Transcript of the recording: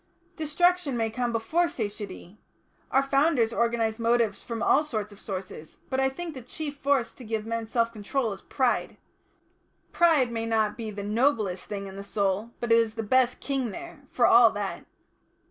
"Destruction may come before satiety. Our Founders organised motives from all sorts of sources, but I think the chief force to give men self control is Pride. Pride may not be the noblest thing in the soul, but it is the best King there, for all that.